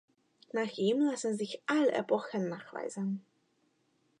Nach ihm lassen sich alle Epochen nachweisen.